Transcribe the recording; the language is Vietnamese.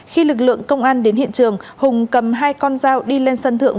khi lực lượng công an đến hiện trường hùng cầm hai con dao đi lên sân thượng